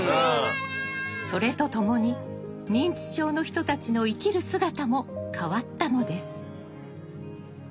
それとともに認知症の人たちの生きる姿も変わったのです。